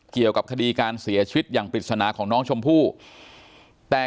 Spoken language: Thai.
เกี่ยวกับคดีการเสียชีวิตอย่างปริศนาของน้องชมพู่แต่